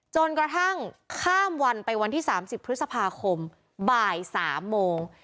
จนกระทั่งข้ามวันไปวันที่๓๐พฤษภาคมบ่าย๓โมง